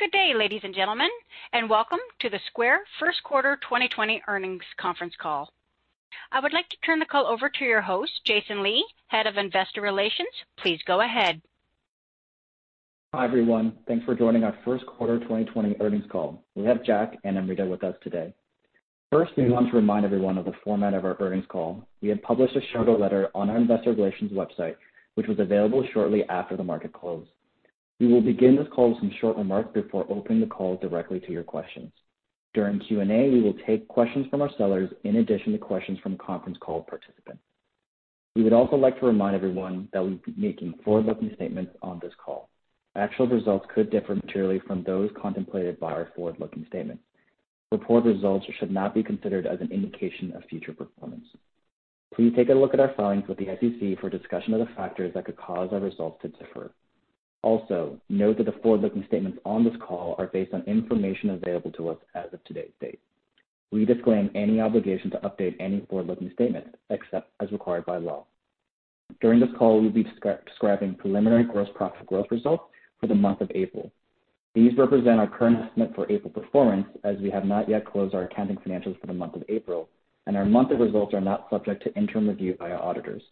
Good day, ladies and gentlemen, welcome to the Square First Quarter 2020 Earnings Conference Call. I would like to turn the call over to your host, Jason Lee, head of investor relations. Please go ahead. Hi, everyone. Thanks for joining our first quarter 2020 earnings call. We have Jack and Amrita with us today. First, we want to remind everyone of the format of our earnings call. We have published a shareholder letter on our investor relations website, which was available shortly after the market close. We will begin this call with some short remarks before opening the call directly to your questions. During Q&A, we will take questions from our sellers in addition to questions from conference call participants. We would also like to remind everyone that we will be making forward-looking statements on this call. Actual results could differ materially from those contemplated by our forward-looking statements. Reported results should not be considered as an indication of future performance. Please take a look at our filings with the SEC for a discussion of the factors that could cause our results to differ. Also, note that the forward-looking statements on this call are based on information available to us as of today's date. We disclaim any obligation to update any forward-looking statement, except as required by law. During this call, we'll be describing preliminary gross profit growth results for the month of April. These represent our current estimate for April performance, as we have not yet closed our accounting financials for the month of April, and our monthly results are not subject to interim review by our auditors.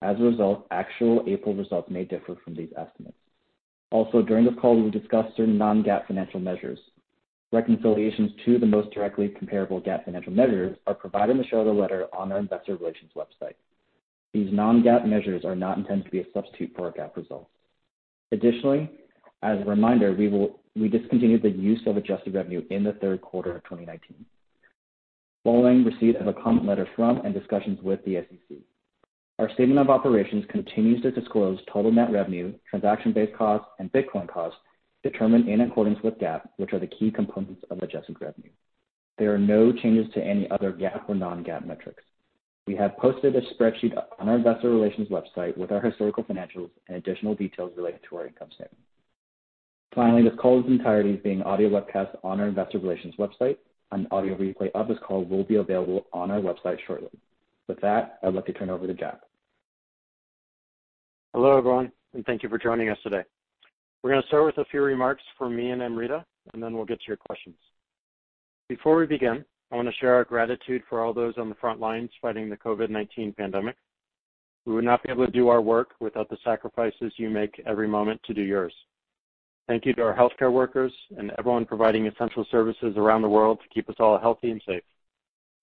As a result, actual April results may differ from these estimates. Also, during this call, we will discuss certain non-GAAP financial measures. Reconciliations to the most directly comparable GAAP financial measures are provided in the shareholder letter on our investor relations website. These non-GAAP measures are not intended to be a substitute for our GAAP results. Additionally, as a reminder, we discontinued the use of adjusted revenue in the third quarter of 2019 following receipt of a comment letter from, and discussions with, the SEC. Our statement of operations continues to disclose total net revenue, transaction-based costs, and Bitcoin costs determined in accordance with GAAP, which are the key components of adjusted revenue. There are no changes to any other GAAP or non-GAAP metrics. We have posted a spreadsheet on our investor relations website with our historical financials and additional details related to our income statement. Finally, this call in its entirety is being audio webcast on our Investor Relations website. An audio replay of this call will be available on our website shortly. With that, I'd like to turn it over to Jack. Hello, everyone, thank you for joining us today. We're going to start with a few remarks from me and Amrita, and then we'll get to your questions. Before we begin, I want to share our gratitude for all those on the front lines fighting the COVID-19 pandemic. We would not be able to do our work without the sacrifices you make every moment to do yours. Thank you to our healthcare workers and everyone providing essential services around the world to keep us all healthy and safe.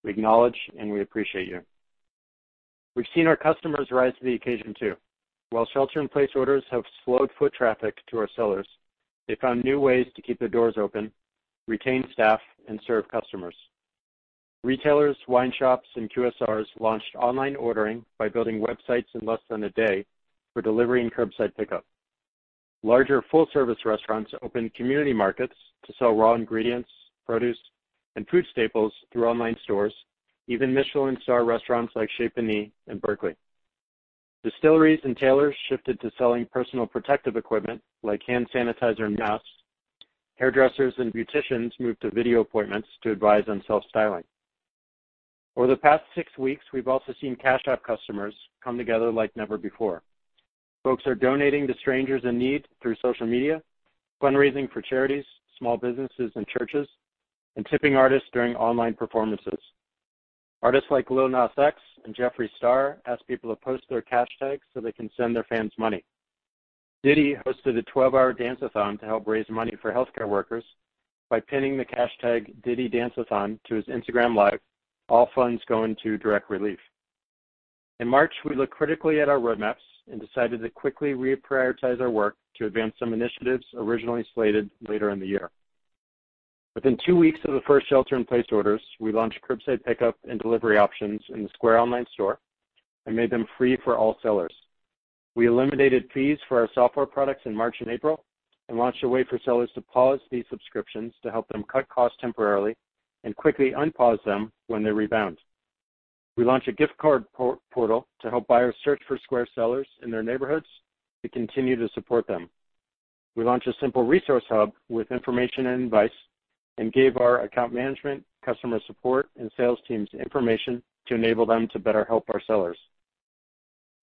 We acknowledge and we appreciate you. We've seen our customers rise to the occasion, too. While shelter-in-place orders have slowed foot traffic to our sellers, they found new ways to keep their doors open, retain staff, and serve customers. Retailers, wine shops, and QSRs launched online ordering by building websites in less than a day for delivery and curbside pickup. Larger full-service restaurants opened community markets to sell raw ingredients, produce, and food staples through online stores, even Michelin star restaurants like Chez Panisse in Berkeley. Distilleries and tailors shifted to selling personal protective equipment like hand sanitizer and masks. Hairdressers and beauticians moved to video appointments to advise on self-styling. Over the past six weeks, we've also seen Cash App customers come together like never before. Folks are donating to strangers in need through social media, fundraising for charities, small businesses, and churches, and tipping artists during online performances. Artists like Lil Nas X and Jeffree Star ask people to post their $Cashtag so they can send their fans money. Diddy hosted a 12-hour dance-a-thon to help raise money for healthcare workers by pinning the $Cashtag Diddydanceathon to his Instagram Live, all funds going to Direct Relief. In March, we looked critically at our roadmaps and decided to quickly reprioritize our work to advance some initiatives originally slated later in the year. Within two weeks of the first shelter-in-place orders, we launched curbside pickup and delivery options in the Square Online Store and made them free for all sellers. We eliminated fees for our software products in March and April and launched a way for sellers to pause these subscriptions to help them cut costs temporarily and quickly unpause them when they rebound. We launched a gift card portal to help buyers search for Square sellers in their neighborhoods to continue to support them. We launched a simple resource hub with information and advice and gave our account management, customer support, and sales teams information to enable them to better help our sellers.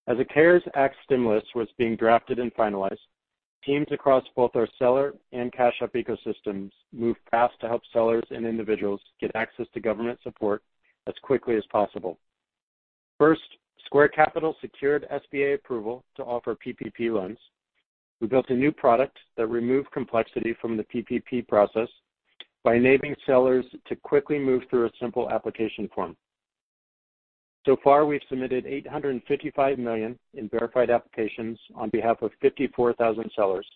As the CARES Act stimulus was being drafted and finalized, teams across both our Seller and Cash App ecosystems moved fast to help sellers and individuals get access to government support as quickly as possible. First, Square Capital secured SBA approval to offer PPP loans. We built a new product that removed complexity from the PPP process by enabling sellers to quickly move through a simple application form. So far, we've submitted $855 million in verified applications on behalf of 54,000 sellers,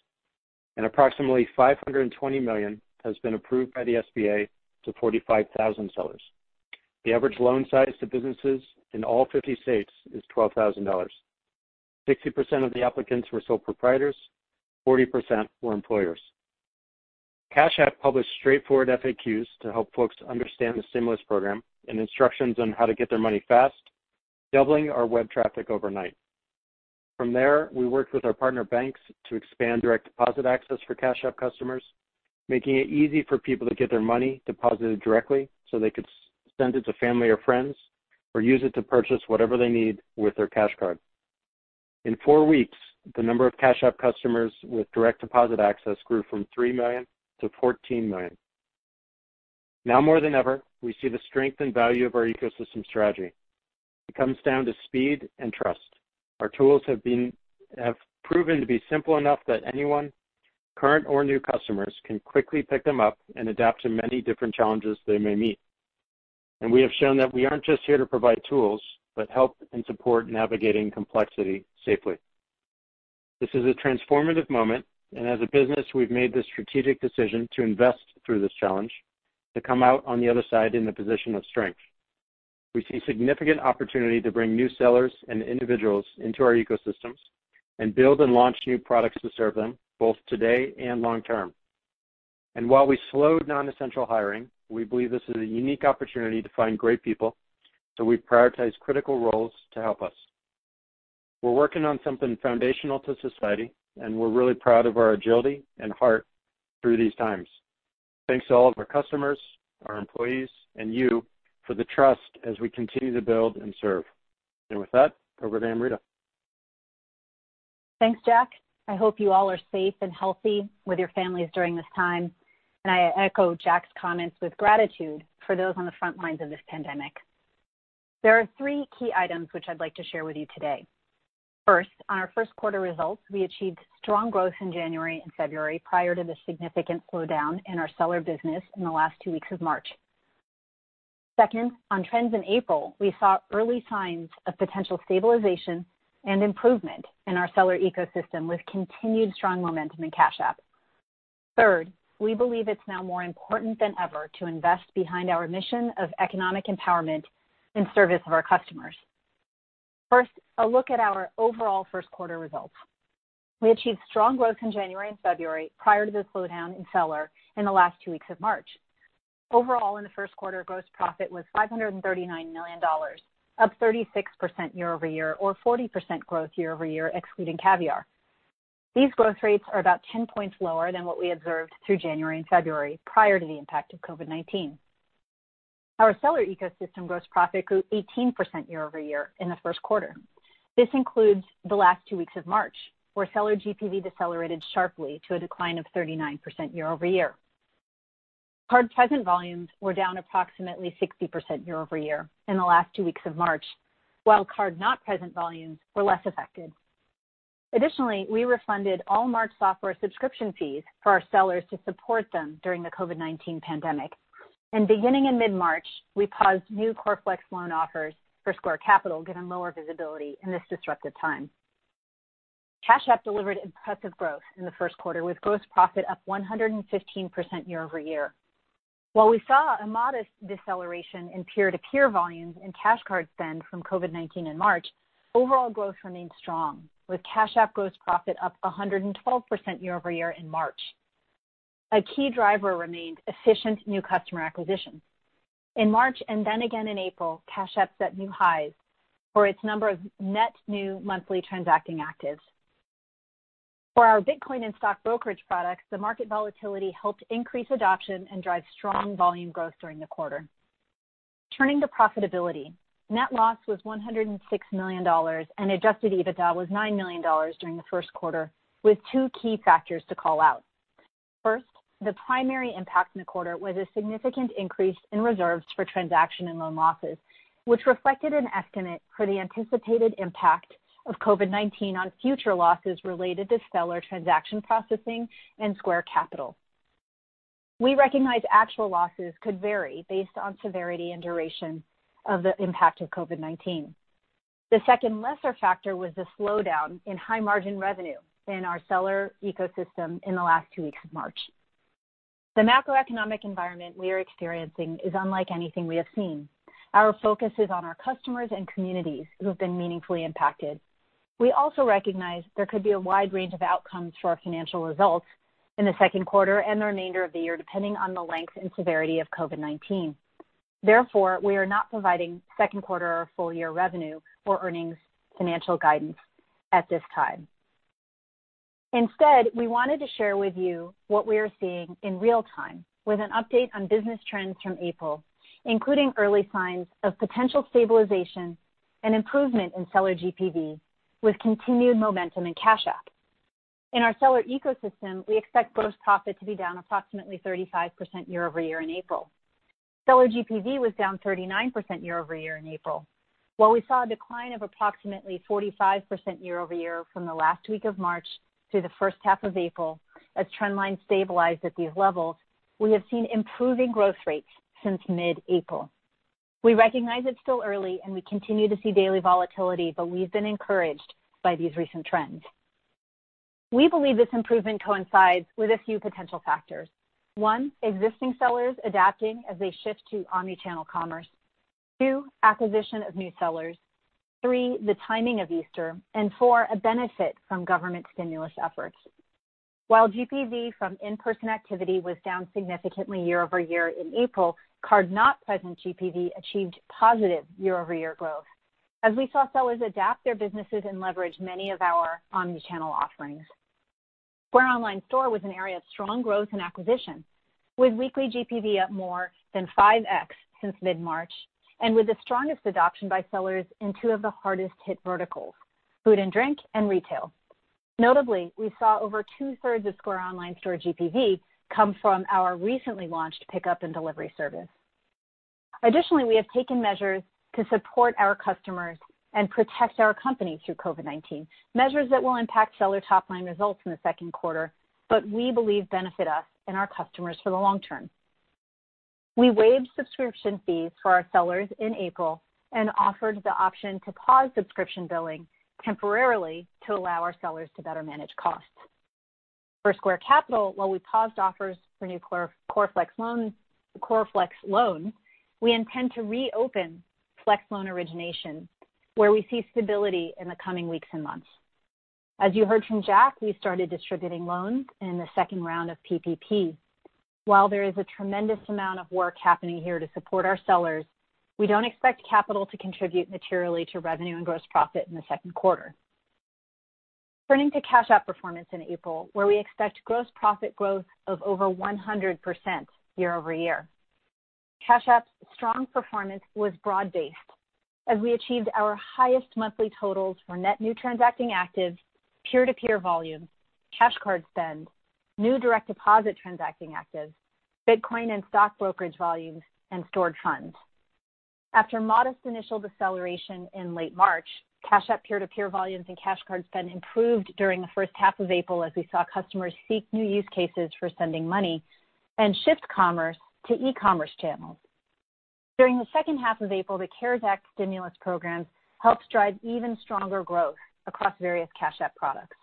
and approximately $520 million has been approved by the SBA to 45,000 sellers. The average loan size to businesses in all 50 states is $12,000. 60% of the applicants were sole proprietors, 40% were employers. Cash App published straightforward FAQs to help folks understand the stimulus program and instructions on how to get their money fast, doubling our web traffic overnight. From there, we worked with our partner banks to expand direct deposit access for Cash App customers, making it easy for people to get their money deposited directly so they could send it to family or friends or use it to purchase whatever they need with their Cash Card. In four weeks, the number of Cash App customers with direct deposit access grew from 3 million to 14 million. Now more than ever, we see the strength and value of our ecosystem strategy. It comes down to speed and trust. Our tools have proven to be simple enough that anyone, current or new customers, can quickly pick them up and adapt to many different challenges they may meet. We have shown that we aren't just here to provide tools, but help and support navigating complexity safely. This is a transformative moment. As a business, we've made the strategic decision to invest through this challenge to come out on the other side in a position of strength. We see significant opportunity to bring new sellers and individuals into our ecosystems and build and launch new products to serve them, both today and long term. While we slowed non-essential hiring, we believe this is a unique opportunity to find great people. We've prioritized critical roles to help us. We're working on something foundational to society. We're really proud of our agility and heart through these times. Thanks to all of our customers, our employees, and you for the trust as we continue to build and serve. With that, over to Amrita. Thanks, Jack. I hope you all are safe and healthy with your families during this time, and I echo Jack's comments with gratitude for those on the front lines of this pandemic. There are three key items which I'd like to share with you today. First, on our first quarter results, we achieved strong growth in January and February prior to the significant slowdown in our Seller business in the last two weeks of March. Second, on trends in April, we saw early signs of potential stabilization and improvement in our Seller ecosystem, with continued strong momentum in Cash App. Third, we believe it's now more important than ever to invest behind our mission of economic empowerment in service of our customers. First, a look at our overall first quarter results. We achieved strong growth in January and February prior to the slowdown in Seller in the last two weeks of March. Overall, in the first quarter, gross profit was $539 million, up 36% year-over-year, or 40% growth year-over-year, excluding Caviar. These growth rates are about 10 points lower than what we observed through January and February prior to the impact of COVID-19. Our Seller ecosystem gross profit grew 18% year-over-year in the first quarter. This includes the last two weeks of March, where Seller GPV decelerated sharply to a decline of 39% year-over-year. Card present volumes were down approximately 60% year-over-year in the last two weeks of March, while card-not-present volumes were less affected. Additionally, we refunded all March software subscription fees for our sellers to support them during the COVID-19 pandemic. Beginning in mid-March, we paused new core Flex Loan offers for Square Capital, given lower visibility in this disruptive time. Cash App delivered impressive growth in the first quarter, with gross profit up 115% year-over-year. While we saw a modest deceleration in peer-to-peer volumes and Cash Card spend from COVID-19 in March, overall growth remained strong, with Cash App gross profit up 112% year-over-year in March. A key driver remained efficient new customer acquisition. In March and then again in April, Cash App set new highs for its number of net new monthly transacting actives. For our Bitcoin and stock brokerage products, the market volatility helped increase adoption and drive strong volume growth during the quarter. Turning to profitability, net loss was $106 million, and adjusted EBITDA was $9 million during the first quarter, with two key factors to call out. First, the primary impact in the quarter was a significant increase in reserves for transaction and loan losses, which reflected an estimate for the anticipated impact of COVID-19 on future losses related to Seller transaction processing and Square Capital. We recognize actual losses could vary based on severity and duration of the impact of COVID-19. The second, lesser factor was the slowdown in high margin revenue in our Seller ecosystem in the last two weeks of March. The macroeconomic environment we are experiencing is unlike anything we have seen. Our focus is on our customers and communities who have been meaningfully impacted. We also recognize there could be a wide range of outcomes for our financial results in the second quarter and the remainder of the year, depending on the length and severity of COVID-19. Therefore, we are not providing second quarter or full year revenue or earnings financial guidance at this time. Instead, we wanted to share with you what we are seeing in real time with an update on business trends from April, including early signs of potential stabilization and improvement in Seller GPV, with continued momentum in Cash App. In our Seller ecosystem, we expect gross profit to be down approximately 35% year-over-year in April. Seller GPV was down 39% year-over-year in April. While we saw a decline of approximately 45% year-over-year from the last week of March through the first half of April, as trend lines stabilized at these levels, we have seen improving growth rates since mid-April. We recognize it's still early, and we continue to see daily volatility, but we've been encouraged by these recent trends. We believe this improvement coincides with a few potential factors. One, existing sellers adapting as they shift to omni-channel commerce. Two, acquisition of new sellers. Three, the timing of Easter, and four, a benefit from government stimulus efforts. While GPV from in-person activity was down significantly year-over-year in April, card-not-present GPV achieved positive year-over-year growth as we saw sellers adapt their businesses and leverage many of our omni-channel offerings. Square Online Store was an area of strong growth and acquisition, with weekly GPV up more than 5x since mid-March, and with the strongest adoption by sellers in two of the hardest hit verticals, food and drink and retail. Notably, we saw over 2/3 of Square Online Store GPV come from our recently launched pickup and delivery service. Additionally, we have taken measures to support our customers and protect our company through COVID-19, measures that will impact Seller top-line results in the second quarter, but we believe benefit us and our customers for the long term. We waived subscription fees for our sellers in April and offered the option to pause subscription billing temporarily to allow our sellers to better manage costs. For Square Capital, while we paused offers for new core Flex Loan, we intend to reopen Flex loan origination where we see stability in the coming weeks and months. As you heard from Jack, we started distributing loans in the second round of PPP. While there is a tremendous amount of work happening here to support our sellers, we don't expect Capital to contribute materially to revenue and gross profit in the second quarter. Turning to Cash App performance in April, where we expect gross profit growth of over 100% year-over-year. Cash App's strong performance was broad-based, as we achieved our highest monthly totals for net new transacting actives, peer-to-peer volume, Cash Card spend, new direct deposit transacting actives, Bitcoin and stock brokerage volumes, and stored funds. After modest initial deceleration in late March, Cash App peer-to-peer volumes and Cash Card spend improved during the first half of April as we saw customers seek new use cases for sending money and shift commerce to e-commerce channels. During the second half of April, the CARES Act stimulus program helped drive even stronger growth across various Cash App products.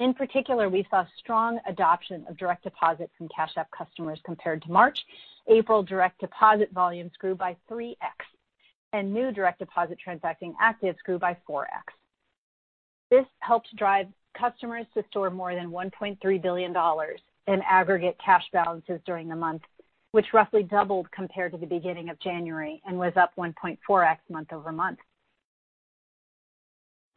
In particular, we saw strong adoption of direct deposit from Cash App customers compared to March. April direct deposit volumes grew by 3x, and new direct deposit transacting actives grew by 4x. This helped drive customers to store more than $1.3 billion in aggregate cash balances during the month, which roughly doubled compared to the beginning of January and was up 1.4x month-over-month.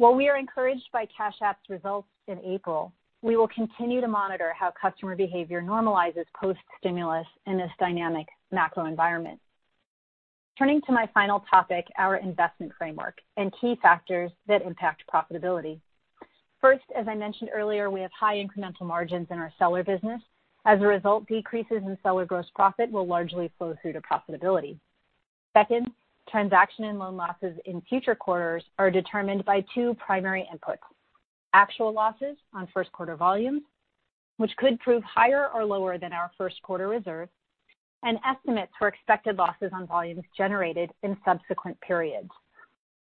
While we are encouraged by Cash App's results in April, we will continue to monitor how customer behavior normalizes post-stimulus in this dynamic macro environment. Turning to my final topic, our investment framework and key factors that impact profitability. First, as I mentioned earlier, we have high incremental margins in our Seller business. As a result, decreases in Seller gross profit will largely flow through to profitability. Second, transaction and loan losses in future quarters are determined by two primary inputs, actual losses on first quarter volumes, which could prove higher or lower than our first quarter reserve, and estimates for expected losses on volumes generated in subsequent periods.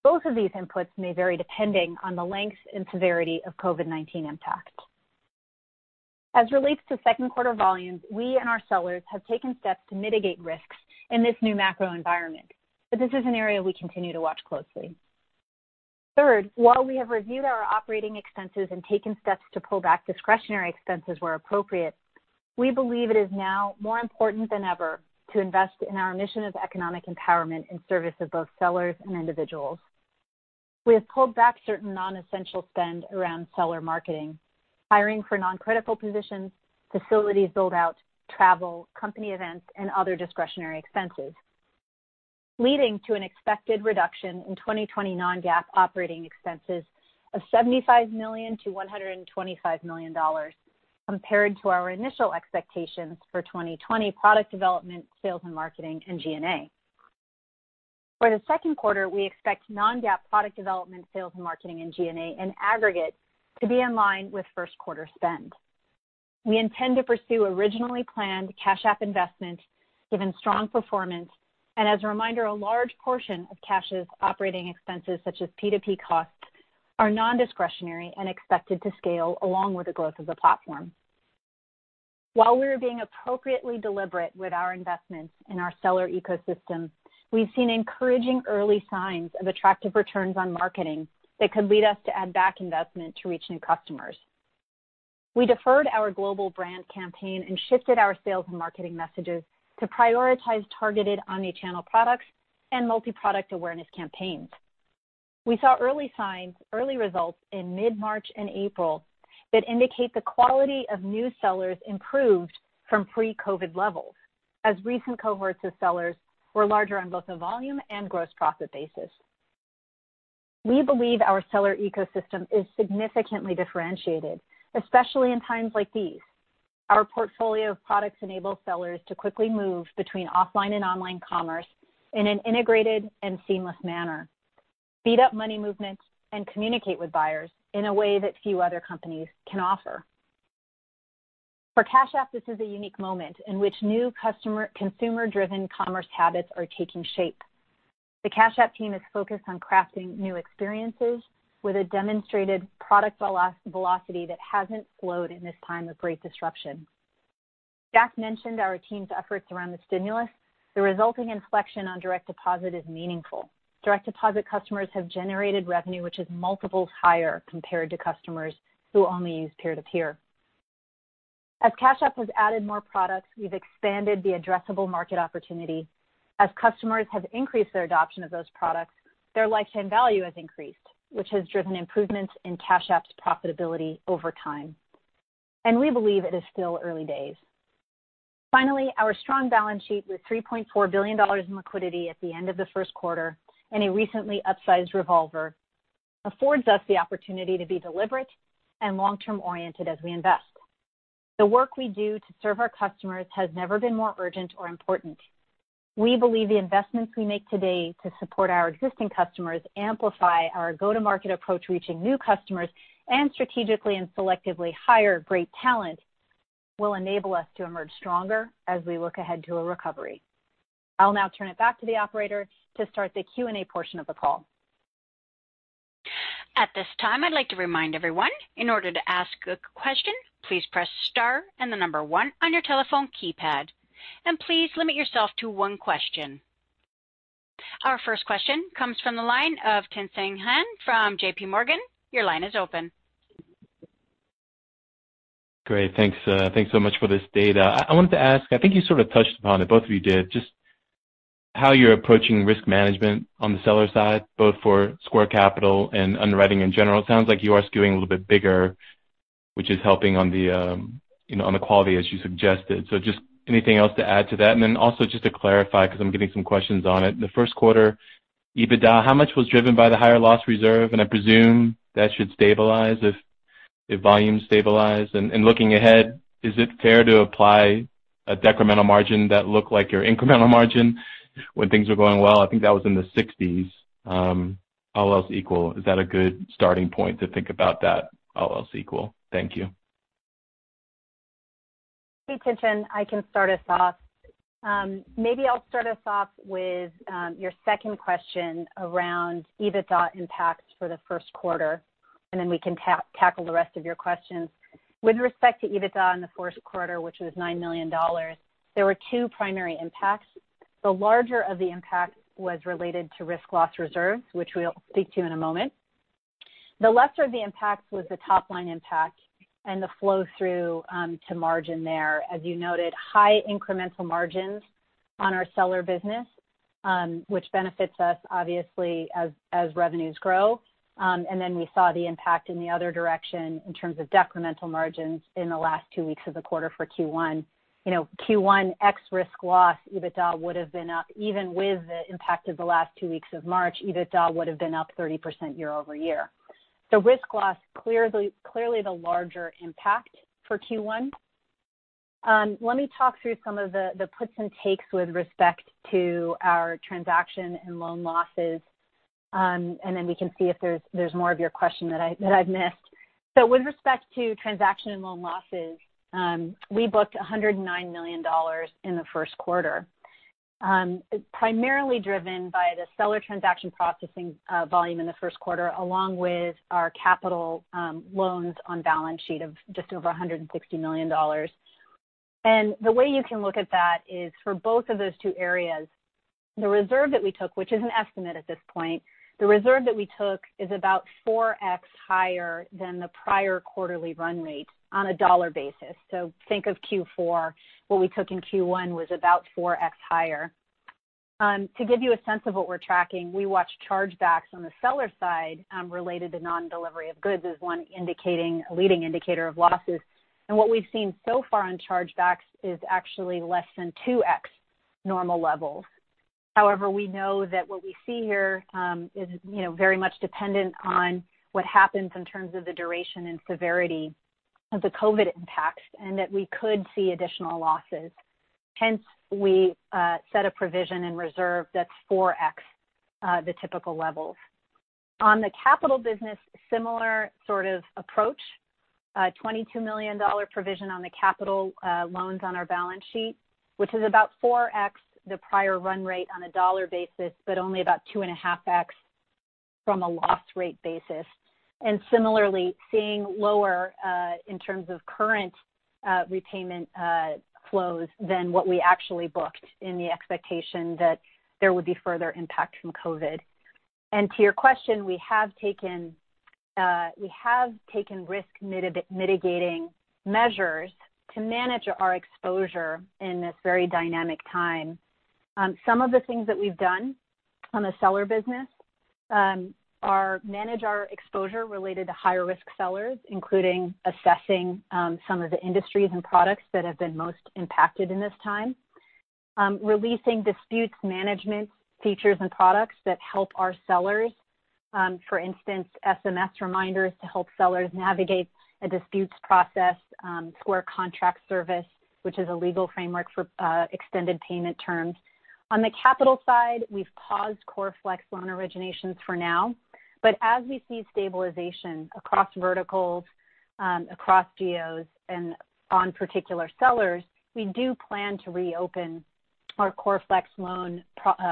Both of these inputs may vary depending on the length and severity of COVID-19 impact. As it relates to second quarter volumes, we and our sellers have taken steps to mitigate risks in this new macro environment, but this is an area we continue to watch closely. Third, while we have reviewed our operating expenses and taken steps to pull back discretionary expenses where appropriate, we believe it is now more important than ever to invest in our mission of economic empowerment in service of both sellers and individuals. We have pulled back certain non-essential spend around Seller marketing, hiring for non-critical positions, facilities build-out, travel, company events, and other discretionary expenses, leading to an expected reduction in 2020 non-GAAP operating expenses of $75 million-$125 million compared to our initial expectations for 2020 product development, sales and marketing, and G&A. For the second quarter, we expect non-GAAP product development, sales and marketing and G&A in aggregate to be in line with first quarter spend. We intend to pursue originally planned Cash App investment given strong performance, and as a reminder, a large portion of Cash's operating expenses, such as P2P costs, are non-discretionary and expected to scale along with the growth of the platform. While we are being appropriately deliberate with our investments in our Seller ecosystem, we've seen encouraging early signs of attractive returns on marketing that could lead us to add back investment to reach new customers. We deferred our global brand campaign and shifted our sales and marketing messages to prioritize targeted omni-channel products and multi-product awareness campaigns. We saw early signs, early results in mid-March and April that indicate the quality of new sellers improved from pre-COVID levels, as recent cohorts of sellers were larger on both a volume and gross profit basis. We believe our Seller ecosystem is significantly differentiated, especially in times like these. Our portfolio of products enable sellers to quickly move between offline and online commerce in an integrated and seamless manner, speed up money movements, and communicate with buyers in a way that few other companies can offer. For Cash App, this is a unique moment in which new consumer-driven commerce habits are taking shape. The Cash App team is focused on crafting new experiences with a demonstrated product velocity that hasn't slowed in this time of great disruption. Jack mentioned our team's efforts around the stimulus. The resulting inflection on direct deposit is meaningful. Direct deposit customers have generated revenue which is multiples higher compared to customers who only use peer-to-peer. As Cash App has added more products, we've expanded the addressable market opportunity. As customers have increased their adoption of those products, their lifetime value has increased, which has driven improvements in Cash App's profitability over time. We believe it is still early days. Finally, our strong balance sheet, with $3.4 billion in liquidity at the end of the first quarter and a recently upsized revolver, affords us the opportunity to be deliberate and long-term oriented as we invest. The work we do to serve our customers has never been more urgent or important. We believe the investments we make today to support our existing customers, amplify our go-to-market approach, reaching new customers, and strategically and selectively hire great talent will enable us to emerge stronger as we look ahead to a recovery. I'll now turn it back to the operator to start the Q&A portion of the call. At this time, I'd like to remind everyone, in order to ask a question, please press star and the number one on your telephone keypad. Please limit yourself to one question. Our first question comes from the line of Tien-Tsin Huang from JPMorgan. Your line is open. Great. Thanks so much for this data. I wanted to ask, I think you sort of touched upon it, both of you did, just how you're approaching risk management on the Seller side, both for Square Capital and underwriting in general. It sounds like you are skewing a little bit bigger, which is helping on the quality, as you suggested. Just anything else to add to that? Also just to clarify, because I'm getting some questions on it. The first quarter EBITDA, how much was driven by the higher loss reserve? I presume that should stabilize if volumes stabilize. Looking ahead, is it fair to apply a decremental margin that look like your incremental margin when things are going well? I think that was in the 60s. All else equal, is that a good starting point to think about that all else equal? Thank you. Hey, Tien-Tsin. I can start us off. Maybe I'll start us off with your second question around EBITDA impacts for the first quarter, and then we can tackle the rest of your questions. With respect to EBITDA in the first quarter, which was $9 million, there were two primary impacts. The larger of the impacts was related to risk loss reserves, which we'll speak to in a moment. The lesser of the impacts was the top-line impact and the flow-through to margin there. As you noted, high incremental margins on our Seller business, which benefits us obviously as revenues grow. We saw the impact in the other direction in terms of decremental margins in the last two weeks of the quarter for Q1. Q1 ex-risk loss, EBITDA would've been up, even with the impact of the last two weeks of March, EBITDA would've been up 30% year-over-year. Risk loss, clearly the larger impact for Q1. Let me talk through some of the puts and takes with respect to our transaction and loan losses, we can see if there's more of your question that I've missed. With respect to transaction and loan losses, we booked $109 million in the first quarter. Primarily driven by the Seller transaction processing volume in the first quarter, along with our capital loans on balance sheet of just over $160 million. The way you can look at that is for both of those two areas, the reserve that we took, which is an estimate at this point, the reserve that we took is about 4x higher than the prior quarterly run rate on a dollar basis. Think of Q4. What we took in Q1 was about 4x higher. To give you a sense of what we're tracking, we watch chargebacks on the Seller side related to non-delivery of goods as one leading indicator of losses. What we've seen so far on chargebacks is actually less than 2x normal levels. However, we know that what we see here is very much dependent on what happens in terms of the duration and severity of the COVID impacts, and that we could see additional losses. Hence, we set a provision in reserve that's 4x the typical levels. On the capital business, similar sort of approach. A $22 million provision on the capital loans on our balance sheet, which is about 4x the prior run rate on a dollar basis, but only about 2.5x from a loss rate basis. Similarly, seeing lower, in terms of current repayment flows, than what we actually booked in the expectation that there would be further impact from COVID. To your question, we have taken risk mitigating measures to manage our exposure in this very dynamic time. Some of the things that we've done on the Seller business are manage our exposure related to higher-risk sellers, including assessing some of the industries and products that have been most impacted in this time. Releasing disputes management features and products that help our sellers. For instance, SMS reminders to help sellers navigate a disputes process. Square contract service, which is a legal framework for extended payment terms. On the capital side, we've paused core Flex Loan originations for now, but as we see stabilization across verticals, across geos, and on particular sellers, we do plan to reopen our core Flex Loan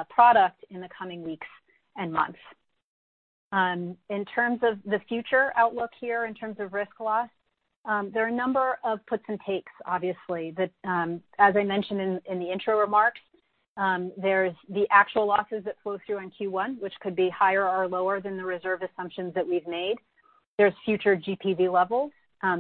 product in the coming weeks and months. In terms of the future outlook here, in terms of risk loss, there are a number of puts and takes, obviously. As I mentioned in the intro remarks. There's the actual losses that flow through in Q1, which could be higher or lower than the reserve assumptions that we've made. There's future GPV levels.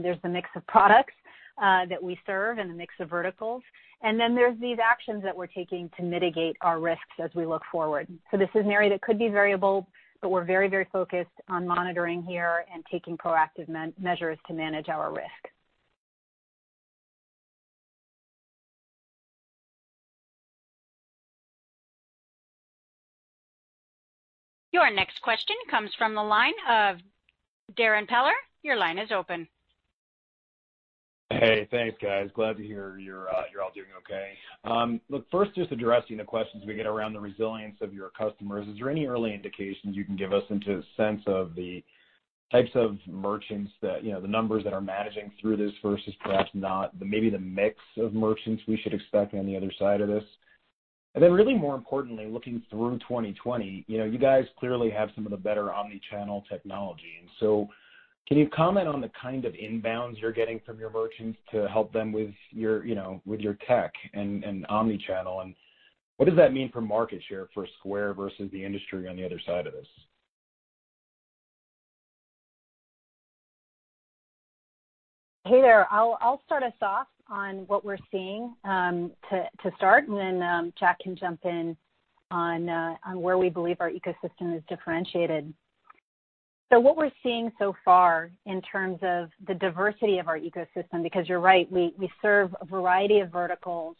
There's the mix of products that we serve and the mix of verticals. Then there's these actions that we're taking to mitigate our risks as we look forward. This is an area that could be variable, but we're very focused on monitoring here and taking proactive measures to manage our risk. Your next question comes from the line of Darrin Peller. Your line is open. Hey, thanks, guys. Glad to hear you're all doing okay. Look, first, just addressing the questions we get around the resilience of your customers. Is there any early indications you can give us into a sense of the types of merchants that, the numbers that are managing through this versus perhaps not, maybe the mix of merchants we should expect on the other side of this? Really more importantly, looking through 2020, you guys clearly have some of the better omni-channel technology. Can you comment on the kind of inbounds you're getting from your merchants to help them with your tech and omni-channel, and what does that mean for market share for Square versus the industry on the other side of this? Hey there. I'll start us off on what we're seeing to start, and then Jack can jump in on where we believe our ecosystem is differentiated. What we're seeing so far in terms of the diversity of our ecosystem, because you're right, we serve a variety of verticals.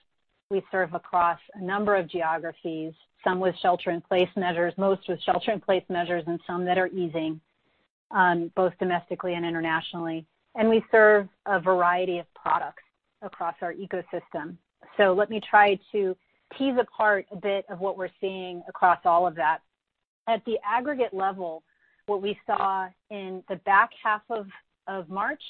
We serve across a number of geographies, some with shelter-in-place measures, most with shelter-in-place measures, and some that are easing, both domestically and internationally. We serve a variety of products across our ecosystem. Let me try to tease apart a bit of what we're seeing across all of that. At the aggregate level, what we saw in the back half of March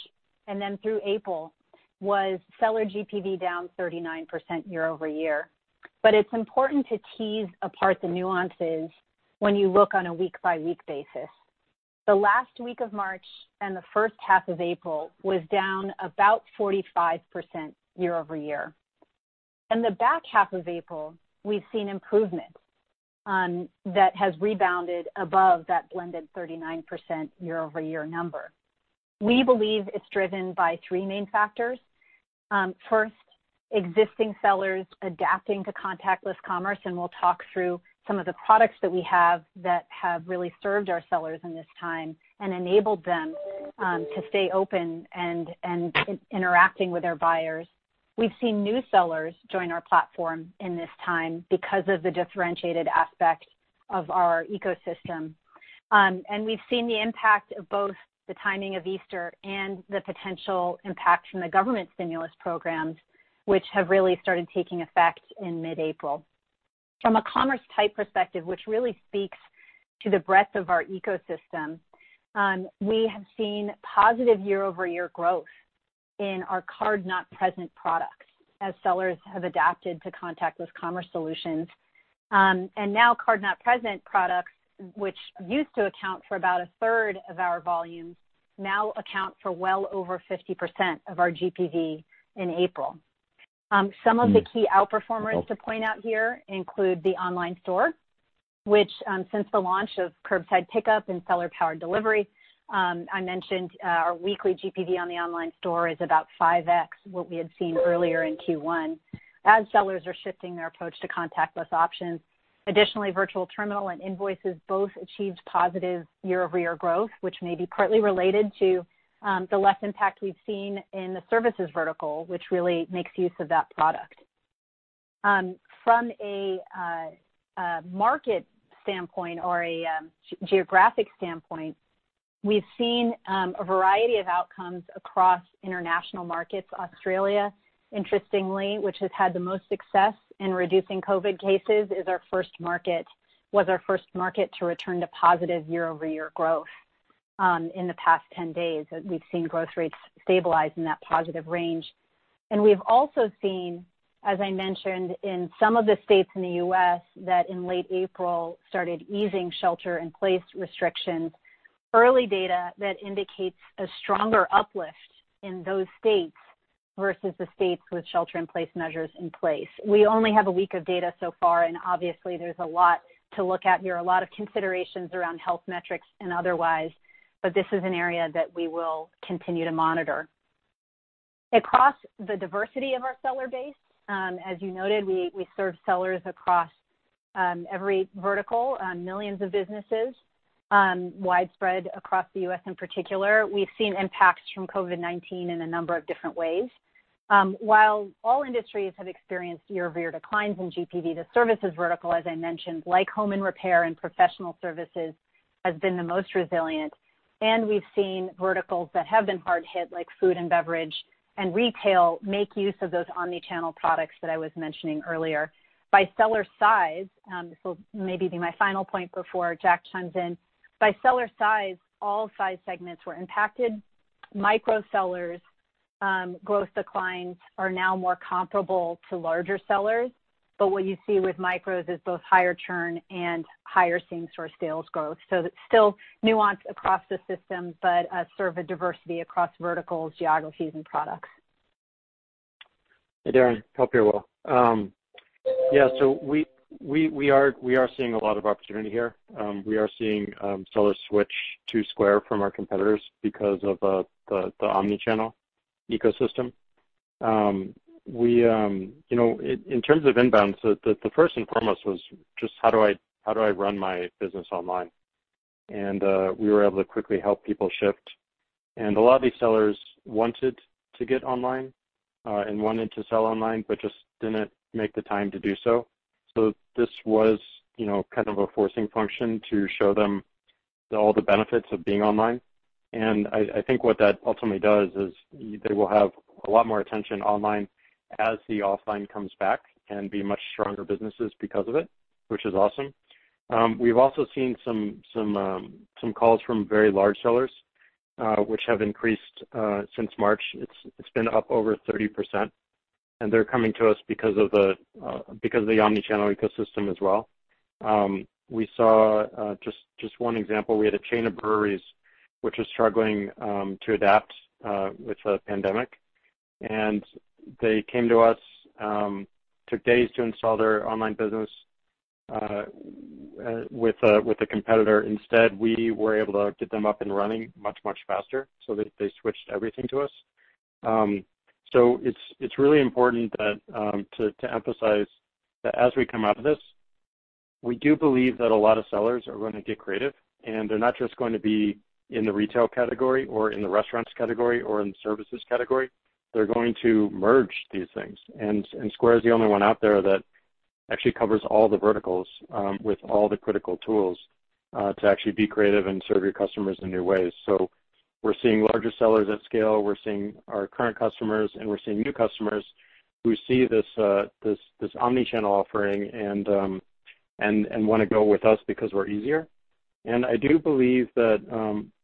and then through April was Seller GPV down 39% year-over-year. It's important to tease apart the nuances when you look on a week-by-week basis. The last week of March and the first half of April was down about 45% year-over-year. In the back half of April, we've seen improvements that has rebounded above that blended 39% year-over-year number. We believe it's driven by three main factors. First, existing sellers adapting to contactless commerce, and we'll talk through some of the products that we have that have really served our sellers in this time and enabled them to stay open and interacting with their buyers. We've seen new sellers join our platform in this time because of the differentiated aspect of our ecosystem. We've seen the impact of both the timing of Easter and the potential impact from the government stimulus programs, which have really started taking effect in mid-April. From a commerce type perspective, which really speaks to the breadth of our ecosystem, we have seen positive year-over-year growth in our card-not-present products as sellers have adapted to contactless commerce solutions. Now card-not-present products, which used to account for about a third of our volume, now account for well over 50% of our GPV in April. Some of the key outperformers to point out here include the Online Store, which since the launch of curbside pickup and seller-powered delivery, I mentioned our weekly GPV on the Online Store is about 5x what we had seen earlier in Q1. As sellers are shifting their approach to contactless options. Additionally, Virtual Terminal and Invoices both achieved positive year-over-year growth, which may be partly related to the less impact we've seen in the services vertical, which really makes use of that product. From a market standpoint or a geographic standpoint, we've seen a variety of outcomes across international markets. Australia, interestingly, which has had the most success in reducing COVID cases, was our first market to return to positive year-over-year growth in the past 10 days. We've seen growth rates stabilize in that positive range. We've also seen, as I mentioned, in some of the states in the U.S. that in late April started easing shelter-in-place restrictions, early data that indicates a stronger uplift in those states versus the states with shelter-in-place measures in place. We only have a week of data so far, and obviously there's a lot to look at here, a lot of considerations around health metrics and otherwise, but this is an area that we will continue to monitor. Across the diversity of our Seller base, as you noted, we serve sellers across every vertical, millions of businesses widespread across the U.S. in particular. We've seen impacts from COVID-19 in a number of different ways. While all industries have experienced year-over-year declines in GPV, the services vertical, as I mentioned, like home and repair and professional services, has been the most resilient. We've seen verticals that have been hard hit, like food and beverage and retail, make use of those omni-channel products that I was mentioning earlier. By seller size, this will maybe be my final point before Jack chimes in. By seller size, all size segments were impacted. Micro sellers' growth declines are now more comparable to larger sellers, but what you see with micros is both higher churn and higher same-store sales growth. It's still nuanced across the system, but a sort of a diversity across verticals, geographies, and products. Hey, Darrin. Hope you're well. Yeah, we are seeing a lot of opportunity here. We are seeing sellers switch to Square from our competitors because of the omni-channel ecosystem. In terms of inbound, the first and foremost was just how do I run my business online? We were able to quickly help people shift. A lot of these sellers wanted to get online and wanted to sell online, just didn't make the time to do so. This was kind of a forcing function to show them all the benefits of being online. I think what that ultimately does is they will have a lot more attention online as the offline comes back and be much stronger businesses because of it, which is awesome. We've also seen some calls from very large sellers, which have increased since March. It's been up over 30%, and they're coming to us because of the omni-channel ecosystem as well. We saw just one example. We had a chain of breweries which was struggling to adapt with the pandemic. They came to us, took days to install their online business with a competitor. Instead, we were able to get them up and running much, much faster, so they switched everything to us. It's really important to emphasize that as we come out of this, we do believe that a lot of sellers are going to get creative, and they're not just going to be in the retail category or in the restaurants category or in the services category. They're going to merge these things. Square's the only one out there that actually covers all the verticals with all the critical tools to actually be creative and serve your customers in new ways. We're seeing larger sellers at scale, we're seeing our current customers, and we're seeing new customers who see this omni-channel offering and want to go with us because we're easier. I do believe that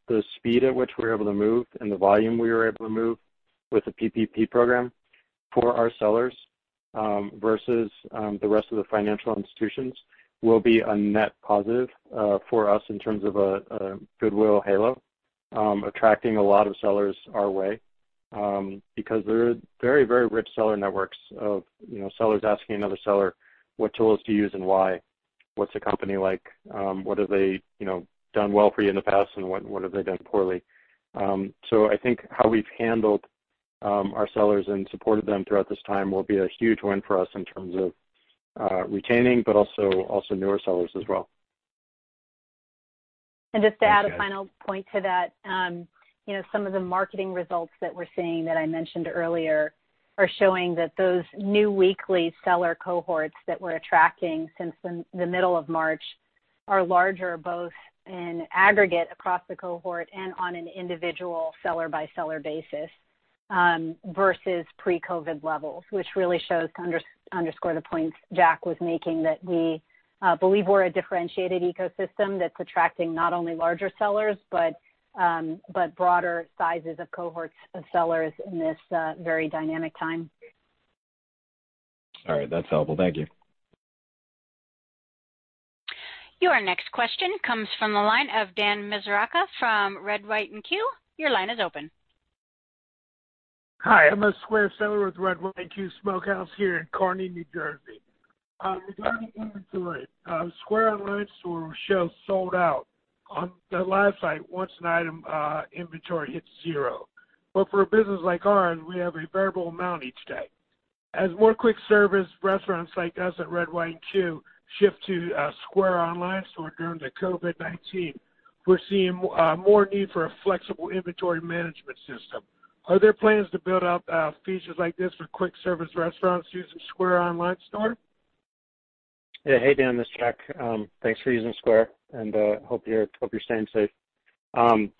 the speed at which we're able to move and the volume we were able to move with the PPP program for our sellers, versus the rest of the financial institutions, will be a net positive for us in terms of a goodwill halo attracting a lot of sellers our way. Because there are very rich seller networks of sellers asking another seller what tools to use and why. What's a company like? What have they done well for you in the past, and what have they done poorly? I think how we've handled our sellers and supported them throughout this time will be a huge win for us in terms of retaining, but also newer sellers as well. Just to add a final point to that. Some of the marketing results that we're seeing that I mentioned earlier are showing that those new weekly seller cohorts that we're attracting since the middle of March are larger, both in aggregate across the cohort and on an individual seller-by-seller basis, versus pre-COVID levels. Which really shows to underscore the points Jack was making, that we believe we're a differentiated ecosystem that's attracting not only larger sellers but broader sizes of cohorts of sellers in this very dynamic time. All right. That's helpful. Thank you. Your next question comes from the line of Dan Misuraca from Red White & Que. Your line is open. Hi, I'm a Square seller with Red White & Que Smokehouse here in Kearny, New Jersey. Regarding inventory, Square Online Store shows sold out on the live site once an item inventory hits zero. For a business like ours, we have a variable amount each day. As more quick-service restaurants like us at Red White & Que shift to Square Online Store during the COVID-19, we're seeing more need for a flexible inventory management system. Are there plans to build out features like this for quick-service restaurants using Square Online Store? Yeah. Hey, Dan, this is Jack. Thanks for using Square, and hope you're staying safe.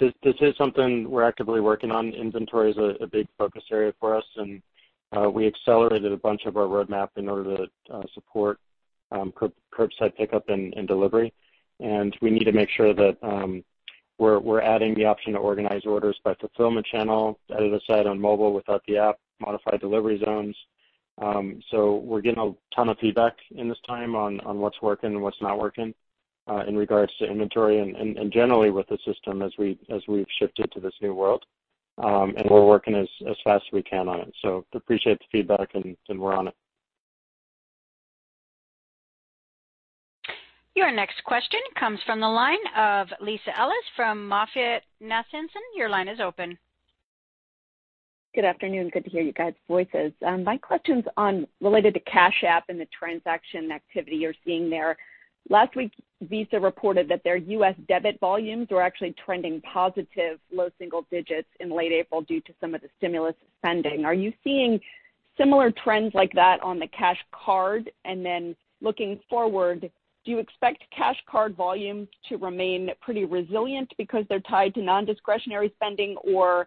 This is something we're actively working on. Inventory is a big focus area for us, and we accelerated a bunch of our roadmap in order to support curbside pickup and delivery. We need to make sure that we're adding the option to organize orders by fulfillment channel, edit a site on mobile without the app, modify delivery zones. We're getting a ton of feedback in this time on what's working and what's not working in regards to inventory and generally with the system as we've shifted to this new world. We're working as fast as we can on it. Appreciate the feedback, and we're on it. Your next question comes from the line of Lisa Ellis from MoffettNathanson. Your line is open. Good afternoon. Good to hear you guys' voices. My question's related to Cash App and the transaction activity you're seeing there. Last week, Visa reported that their U.S. debit volumes were actually trending positive low single digits in late April due to some of the stimulus spending. Are you seeing similar trends like that on the Cash Card? Looking forward, do you expect Cash Card volumes to remain pretty resilient because they're tied to non-discretionary spending, or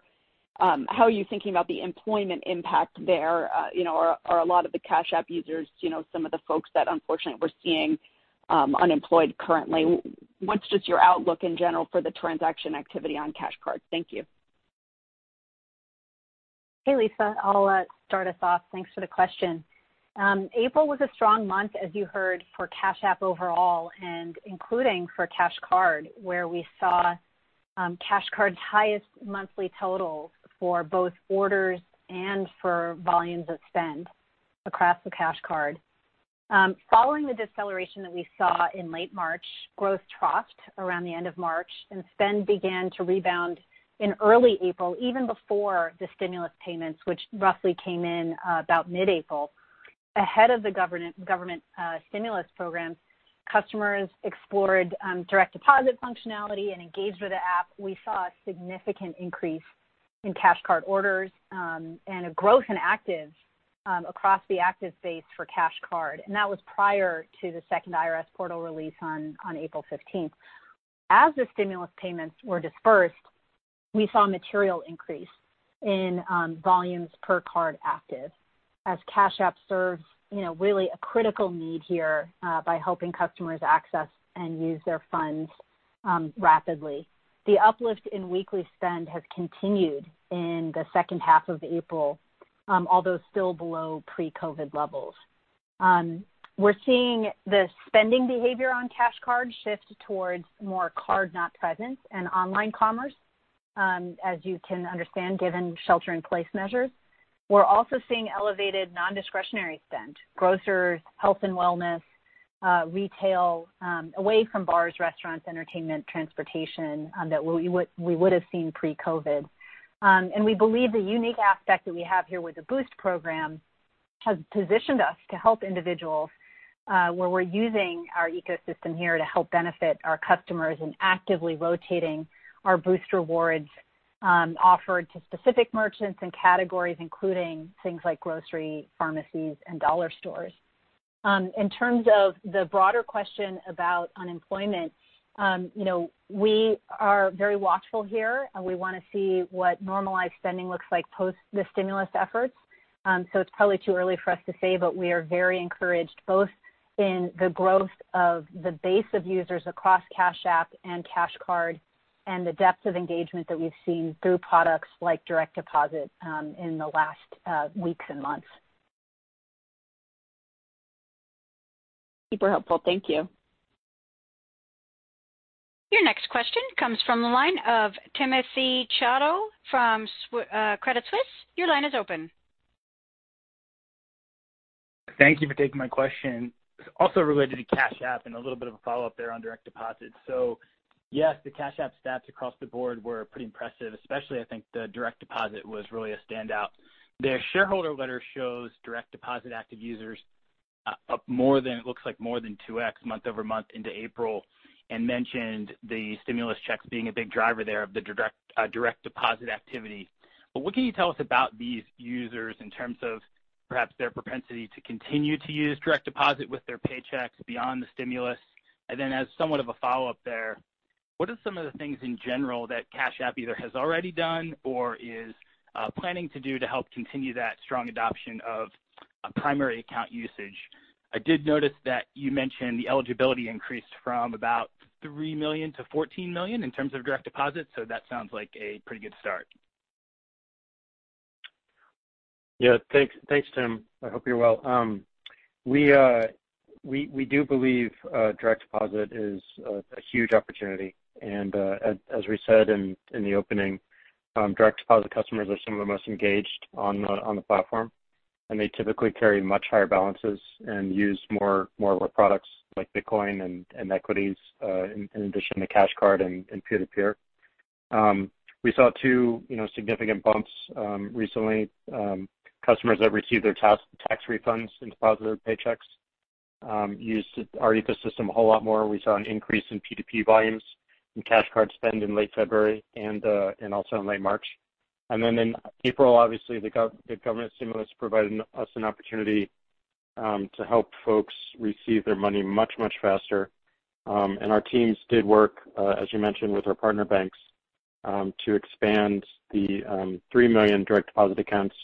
how are you thinking about the employment impact there? Are a lot of the Cash App users some of the folks that unfortunately we're seeing unemployed currently? What's just your outlook in general for the transaction activity on Cash Card? Thank you. Hey, Lisa. I'll start us off. Thanks for the question. April was a strong month, as you heard, for Cash App overall, and including for Cash Card, where we saw Cash Card's highest monthly totals for both orders and for volumes of spend across the Cash Card. Following the deceleration that we saw in late March, growth troughed around the end of March, and spend began to rebound in early April, even before the stimulus payments, which roughly came in about mid-April. Ahead of the government stimulus program, customers explored direct deposit functionality and engaged with the app. We saw a significant increase in Cash Card orders, and a growth in actives across the active base for Cash Card. That was prior to the second IRS portal release on April 15th. As the stimulus payments were dispersed, we saw a material increase in volumes per card active as Cash App serves really a critical need here by helping customers access and use their funds rapidly. The uplift in weekly spend has continued in the second half of April, although still below pre-COVID levels. We're seeing the spending behavior on Cash Card shift towards more card-not-present and online commerce, as you can understand, given shelter-in-place measures. We're also seeing elevated non-discretionary spend, groceries, health and wellness, retail, away from bars, restaurants, entertainment, transportation that we would have seen pre-COVID. We believe the unique aspect that we have here with the Boost program has positioned us to help individuals, where we're using our ecosystem here to help benefit our customers in actively rotating our Boost rewards offered to specific merchants and categories, including things like grocery, pharmacies, and dollar stores. In terms of the broader question about unemployment. We are very watchful here, and we want to see what normalized spending looks like post the stimulus efforts. It's probably too early for us to say, but we are very encouraged both in the growth of the base of users across Cash App and Cash Card and the depth of engagement that we've seen through products like direct deposit in the last weeks and months. Super helpful. Thank you. Your next question comes from the line of Timothy Chiodo from Credit Suisse. Your line is open. Thank you for taking my question. Related to Cash App and a little bit of a follow-up there on direct deposit. Yes, the Cash App stats across the board were pretty impressive, especially, I think, the direct deposit was really a standout. The shareholder letter shows direct deposit active users up more than, it looks like more than 2x month-over-month into April, and mentioned the stimulus checks being a big driver there of the direct deposit activity. What can you tell us about these users in terms of perhaps their propensity to continue to use direct deposit with their paychecks beyond the stimulus? As somewhat of a follow-up there, what are some of the things in general that Cash App either has already done or is planning to do to help continue that strong adoption of primary account usage? I did notice that you mentioned the eligibility increased from about $3 million to $14 million in terms of direct deposits. That sounds like a pretty good start. Yeah. Thanks, Tim. I hope you're well. We do believe direct deposit is a huge opportunity. As we said in the opening, direct deposit customers are some of the most engaged on the platform, and they typically carry much higher balances and use more of our products like Bitcoin and equities, in addition to Cash Card and peer-to-peer. We saw two significant bumps recently. Customers that received their tax refunds and deposited their paychecks used our ecosystem a whole lot more. We saw an increase in P2P volumes and Cash Card spend in late February and also in late March. In April, obviously, the government stimulus provided us an opportunity to help folks receive their money much, much faster. Our teams did work, as you mentioned, with our partner banks, to expand the 3 million direct deposit accounts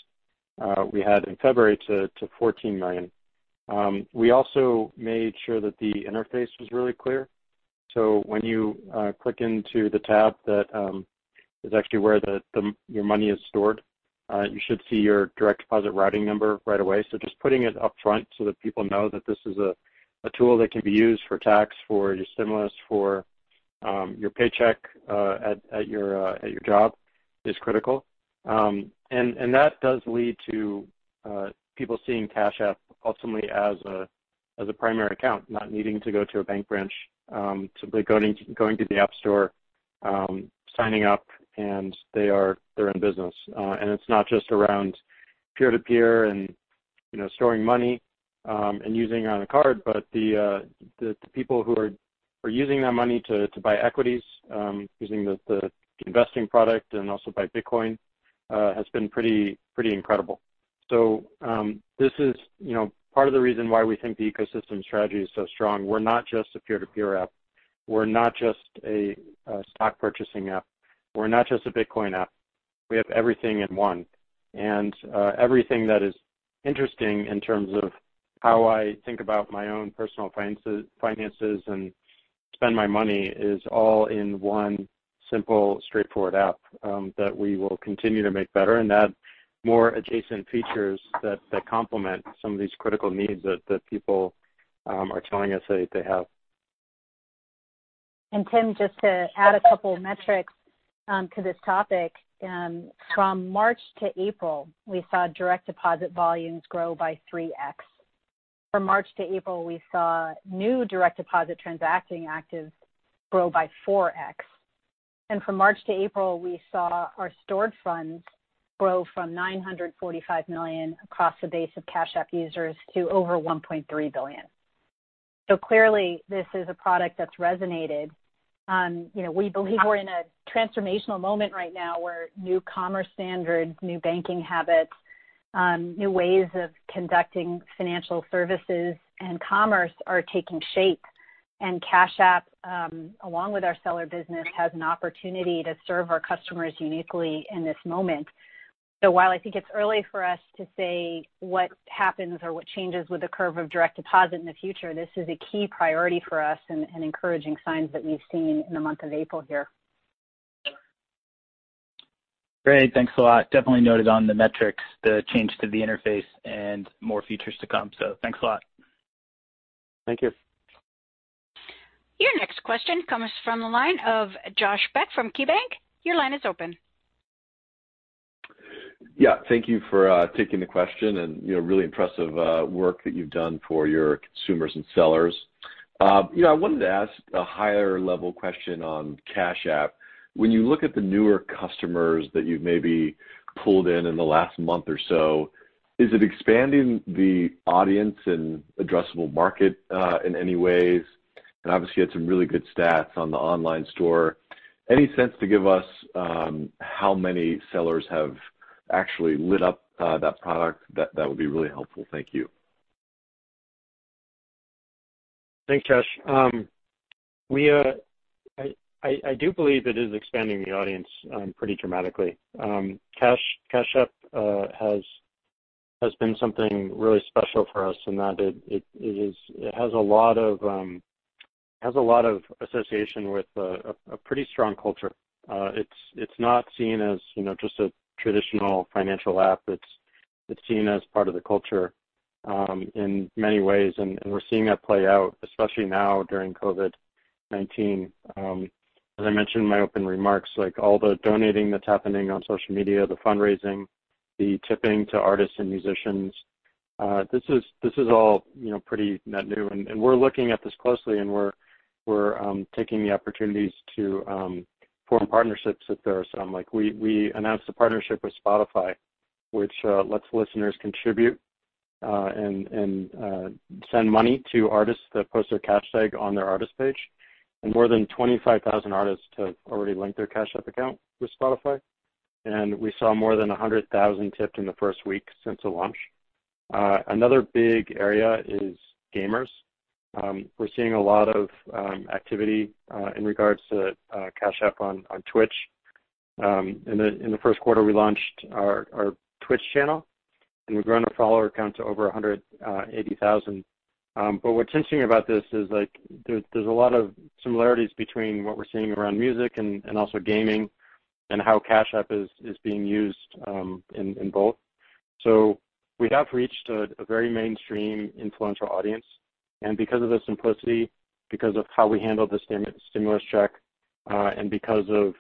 we had in February to 14 million. We also made sure that the interface was really clear. When you click into the tab, that is actually where your money is stored. You should see your direct deposit routing number right away. Just putting it up front so that people know that this is a tool that can be used for tax, for your stimulus, for your paycheck at your job is critical. That does lead to people seeing Cash App ultimately as a primary account, not needing to go to a bank branch. Simply going to the App Store, signing up, and they're in business. It's not just around peer-to-peer and storing money, and using it on a card, but the people who are using that money to buy equities, using the investing product, and also buy Bitcoin, has been pretty incredible. This is part of the reason why we think the ecosystem strategy is so strong. We're not just a peer-to-peer app. We're not just a stock purchasing app. We're not just a Bitcoin app. We have everything in one. Everything that is interesting in terms of how I think about my own personal finances and spend my money is all in one simple, straightforward app that we will continue to make better and add more adjacent features that complement some of these critical needs that people are telling us that they have. Tim, just to add a couple of metrics to this topic. From March to April, we saw direct deposit volumes grow by 3x. From March to April, we saw new direct deposit transacting actives grow by 4x. From March to April, we saw our stored funds grow from $945 million across the base of Cash App users to over $1.3 billion. Clearly, this is a product that's resonated. We believe we're in a transformational moment right now where new commerce standards, new banking habits, new ways of conducting financial services and commerce are taking shape. Cash App, along with our Seller business, has an opportunity to serve our customers uniquely in this moment. While I think it's early for us to say what happens or what changes with the curve of direct deposit in the future, this is a key priority for us and encouraging signs that we've seen in the month of April here. Great. Thanks a lot. Definitely noted on the metrics, the change to the interface, and more features to come. Thanks a lot. Thank you. Your next question comes from the line of Josh Beck from KeyBanc. Your line is open. Yeah. Thank you for taking the question and really impressive work that you've done for your consumers and sellers. I wanted to ask a higher-level question on Cash App. When you look at the newer customers that you've maybe pulled in the last month or so, is it expanding the audience and addressable market in any ways? Obviously, you had some really good stats on the online store. Any sense to give us how many sellers have actually lit up that product? That would be really helpful. Thank you. Thanks, Josh. I do believe it is expanding the audience pretty dramatically. Cash App has been something really special for us in that it has a lot of association with a pretty strong culture. It's not seen as just a traditional financial app. It's seen as part of the culture in many ways, we're seeing that play out, especially now during COVID-19. As I mentioned in my open remarks, like all the donating that's happening on social media, the fundraising, the tipping to artists and musicians, this is all pretty net new. We're looking at this closely, we're taking the opportunities to form partnerships if there are some. We announced a partnership with Spotify, which lets listeners contribute and send money to artists that post their Cashtag on their artist page. More than 25,000 artists have already linked their Cash App account with Spotify. We saw more than 100,000 tipped in the first week since the launch. Another big area is gamers. We're seeing a lot of activity in regards to Cash App on Twitch. In the first quarter, we launched our Twitch channel, and we've grown our follower count to over 180,000. What's interesting about this is there's a lot of similarities between what we're seeing around music and also gaming and how Cash App is being used in both. We have reached a very mainstream influential audience. Because of the simplicity, because of how we handled the stimulus check, and because of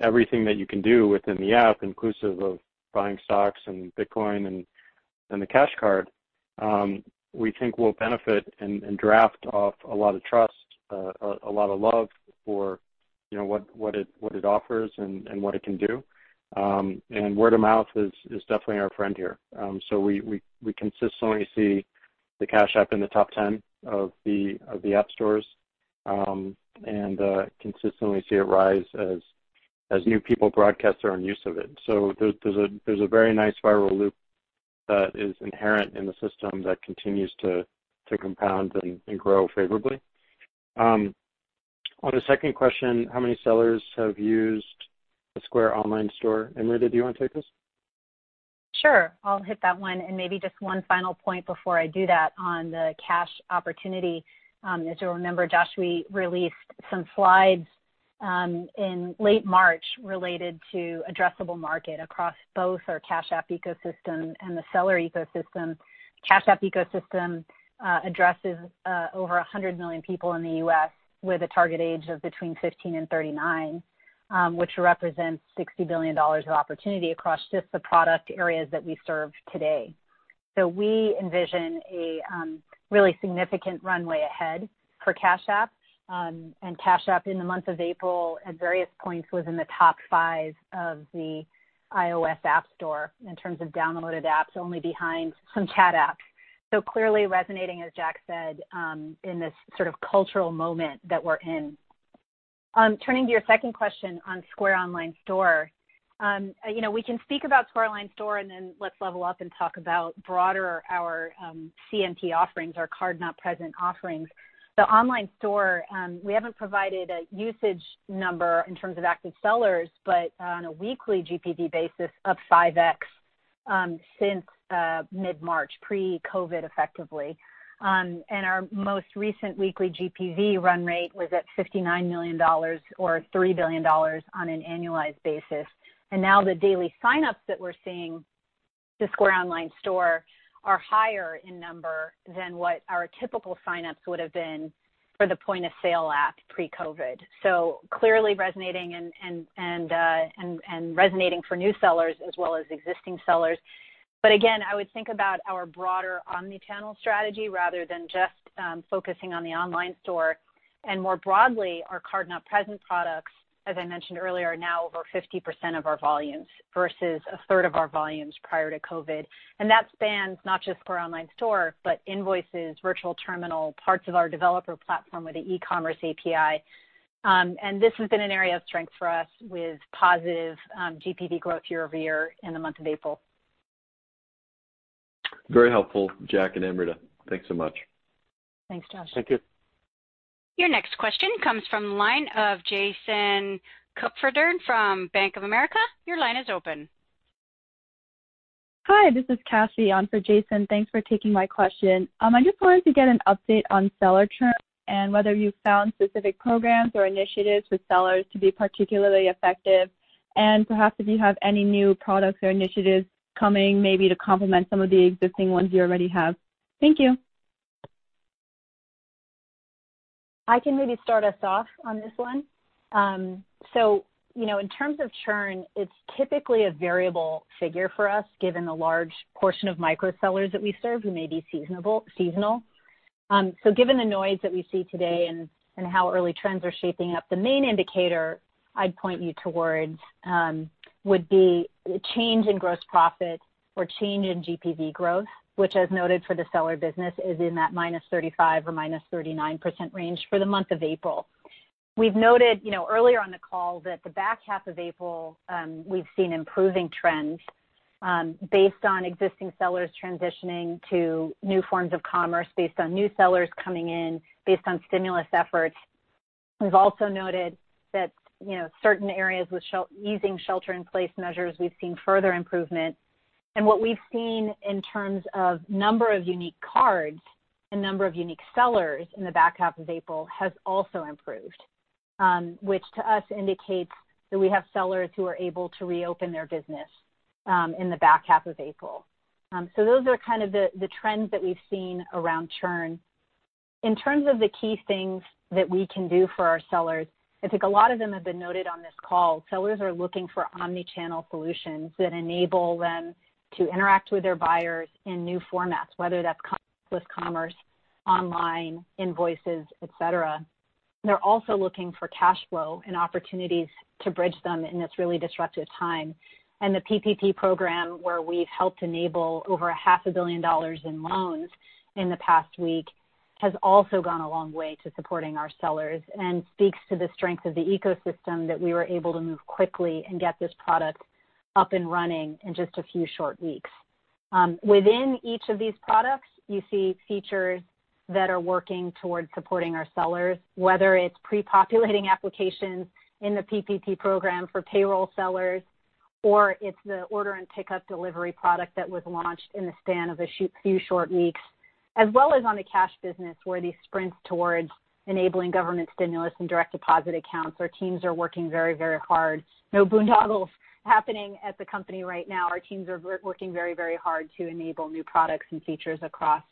everything that you can do within the app, inclusive of buying stocks and Bitcoin and the Cash Card, we think we'll benefit and draft off a lot of trust, a lot of love for what it offers and what it can do. Word of mouth is definitely our friend here. We consistently see the Cash App in the top 10 of the app stores. Consistently see it rise as new people broadcast their own use of it. There's a very nice viral loop that is inherent in the system that continues to compound and grow favorably. On the second question, how many sellers have used the Square Online Store? Amrita, do you want to take this? Sure. I'll hit that one. Maybe just one final point before I do that on the Cash opportunity. As you'll remember, Josh, we released some slides in late March related to addressable market across both our Cash App ecosystem and the Seller ecosystem. Cash App ecosystem addresses over 100 million people in the U.S. with a target age of between 15 and 39, which represents $60 billion of opportunity across just the product areas that we serve today. We envision a really significant runway ahead for Cash App. Cash App in the month of April, at various points, was in the top five of the iOS App Store in terms of downloaded apps, only behind some chat apps. Clearly resonating, as Jack said, in this sort of cultural moment that we're in. Turning to your second question on Square Online Store. We can speak about Square Online Store, then let's level up and talk about broader our CNP offerings, our card-not-present offerings. The online store, we haven't provided a usage number in terms of active sellers, but on a weekly GPV basis, up 5x since mid-March, pre-COVID effectively. Our most recent weekly GPV run rate was at $59 million or $3 billion on an annualized basis. Now the daily sign-ups that we're seeing to Square Online Store are higher in number than what our typical sign-ups would've been for the point of sale app pre-COVID. Clearly resonating, and resonating for new sellers as well as existing sellers. Again, I would think about our broader omni-channel strategy rather than just focusing on the online store. More broadly, our card-not-present products, as I mentioned earlier, are now over 50% of our volumes versus a third of our volumes prior to COVID. That spans not just for Square Online Store, but Invoices, Virtual Terminal, parts of our developer platform with the E-commerce API. This has been an area of strength for us with positive GPV growth year-over-year in the month of April. Very helpful, Jack and Amrita. Thanks so much. Thanks, Josh. Thank you. Your next question comes from the line of Jason Kupferberg from Bank of America. Your line is open. Hi, this is Cassie on for Jason. Thanks for taking my question. I just wanted to get an update on Seller churn and whether you found specific programs or initiatives with sellers to be particularly effective. Perhaps if you have any new products or initiatives coming maybe to complement some of the existing ones you already have. Thank you. I can maybe start us off on this one. In terms of churn, it's typically a variable figure for us given the large portion of micro-sellers that we serve who may be seasonal. Given the noise that we see today and how early trends are shaping up, the main indicator I'd point you towards would be change in gross profit or change in GPV growth, which as noted for the Seller business, is in that -35% or -39% range for the month of April. We've noted earlier on the call that the back half of April, we've seen improving trends based on existing sellers transitioning to new forms of commerce, based on new sellers coming in, based on stimulus efforts. We've also noted that certain areas with easing shelter-in-place measures, we've seen further improvement. What we've seen in terms of number of unique cards and number of unique sellers in the back half of April has also improved, which to us indicates that we have sellers who are able to reopen their business in the back half of April. Those are kind of the trends that we've seen around churn. In terms of the key things that we can do for our sellers, I think a lot of them have been noted on this call. Sellers are looking for omni-channel solutions that enable them to interact with their buyers in new formats, whether that's contactless commerce, online Invoices, et cetera. They're also looking for cash flow and opportunities to bridge them in this really disruptive time. The PPP program, where we've helped enable over a half a billion dollars in loans in the past week, has also gone a long way to supporting our sellers and speaks to the strength of the ecosystem that we were able to move quickly and get this product up and running in just a few short weeks. Within each of these products, you see features that are working towards supporting our sellers, whether it's pre-populating applications in the PPP program for payroll sellers, or it's the order and pickup delivery product that was launched in the span of a few short weeks, as well as on the Cash App business where these sprints towards enabling government stimulus and direct deposit accounts. Our teams are working very hard. No boondoggles happening at the company right now. Our teams are working very hard to enable new products and features across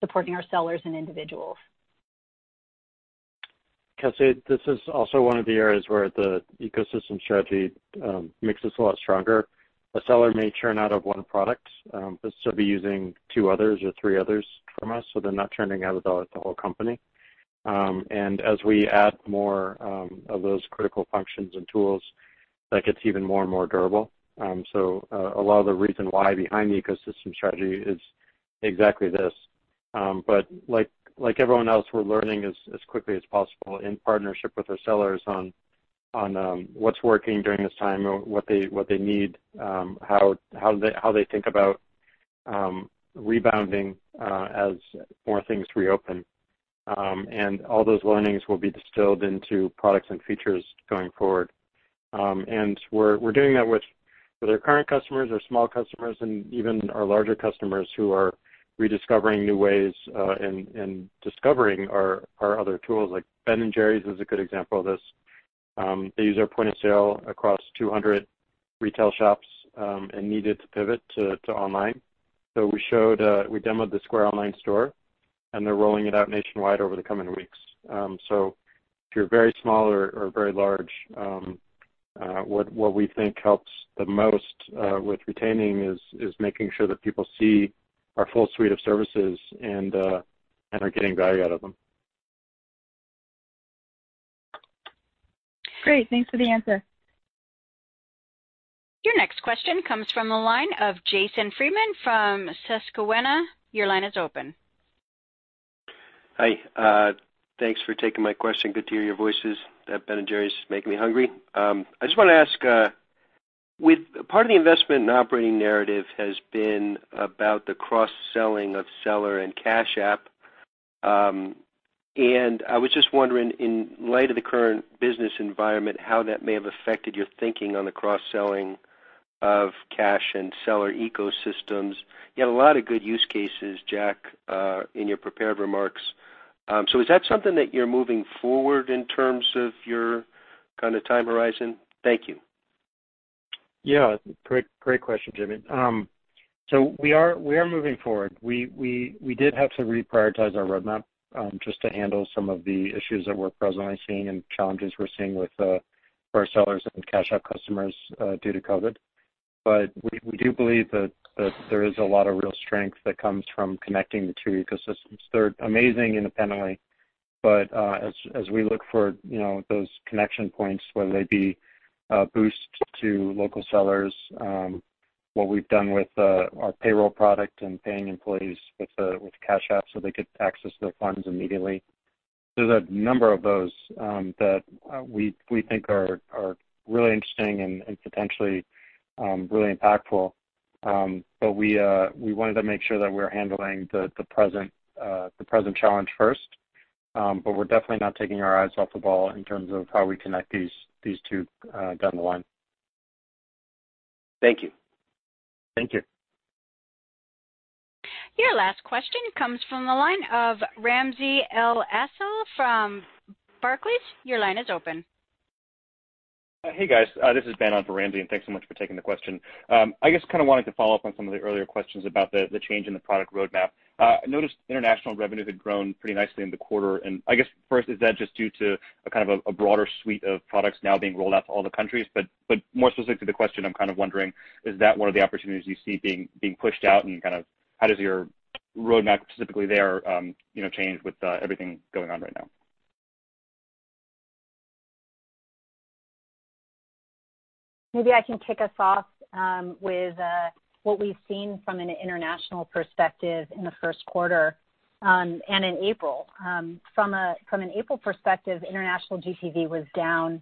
supporting our sellers and individuals. Cassie, this is also one of the areas where the ecosystem strategy makes us a lot stronger. A seller may churn out of one product but still be using two others or three others from us, so they're not churning out the whole company. As we add more of those critical functions and tools, that gets even more and more durable. A lot of the reason why behind the ecosystem strategy is exactly this. Like everyone else, we're learning as quickly as possible in partnership with our sellers on what's working during this time, what they need, how they think about rebounding as more things reopen. All those learnings will be distilled into products and features going forward. We're doing that with our current customers, our small customers, and even our larger customers who are rediscovering new ways and discovering our other tools. Like Ben & Jerry's is a good example of this. They use our point of sale across 200 retail shops and needed to pivot to online. We demoed the Square Online Store, and they're rolling it out nationwide over the coming weeks. If you're very small or very large, what we think helps the most with retaining is making sure that people see our full suite of services and are getting value out of them. Great. Thanks for the answer. Your next question comes from the line of [James Friedman] from Susquehanna. Your line is open. Hi. Thanks for taking my question. Good to hear your voices. That Ben & Jerry's is making me hungry. I just want to ask, part of the investment and operating narrative has been about the cross-selling of Seller and Cash App. I was just wondering, in light of the current business environment, how that may have affected your thinking on the cross-selling of Cash App and Seller ecosystems. You had a lot of good use cases, Jack, in your prepared remarks. Is that something that you're moving forward in terms of your time horizon? Thank you. Yeah. Great question, Jimmy. We are moving forward. We did have to reprioritize our roadmap, just to handle some of the issues that we're presently seeing and challenges we're seeing with our sellers and Cash App customers due to COVID. We do believe that there is a lot of real strength that comes from connecting the two ecosystems. They're amazing independently, but as we look for those connection points, whether they be a Boost to local sellers, what we've done with our payroll product and paying employees with Cash App so they could access their funds immediately. There's a number of those that we think are really interesting and potentially really impactful. We wanted to make sure that we're handling the present challenge first. We're definitely not taking our eyes off the ball in terms of how we connect these two down the line. Thank you. Thank you. Your last question comes from the line of Ramsey El-Assal from Barclays. Your line is open. Hey, guys. This is Ben on for Ramsey, thanks so much for taking the question. I just wanted to follow up on some of the earlier questions about the change in the product roadmap. I noticed international revenue had grown pretty nicely in the quarter. I guess first, is that just due to a kind of a broader suite of products now being rolled out to all the countries? More specific to the question, I'm kind of wondering, is that one of the opportunities you see being pushed out, and how does your roadmap specifically there change with everything going on right now? Maybe I can kick us off with what we've seen from an international perspective in the first quarter and in April. From an April perspective, international GPV was down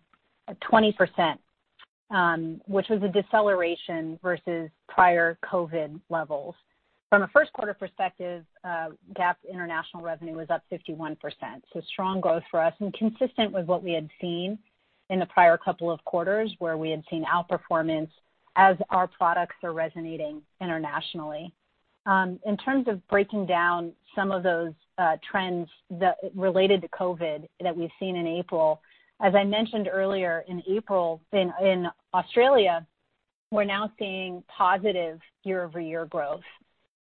20%, which was a deceleration versus prior COVID levels. From a first quarter perspective, GAAP international revenue was up 51%. Strong growth for us, and consistent with what we had seen in the prior couple of quarters where we had seen outperformance as our products are resonating internationally. In terms of breaking down some of those trends related to COVID that we've seen in April, as I mentioned earlier, in April in Australia, we're now seeing positive year-over-year growth.